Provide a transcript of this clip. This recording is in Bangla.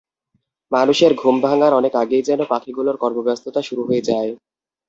মানুষের ঘুম ভাঙার অনেক আগেই যেন পাখিগুলোর কর্মব্যস্ততা শুরু হয়ে যায়।